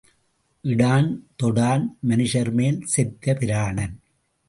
இடான், தொடான், மனுஷர்மேல் செத்த பிராணன்.